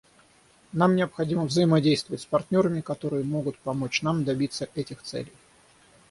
Нам необходимо взаимодействовать с партнерами, которые могут помочь нам добиться этих целей.